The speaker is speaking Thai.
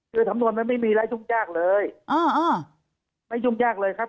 คือสำนวนมันไม่มีไร้ยุ่งยากเลยไม่ยุ่งยากเลยครับ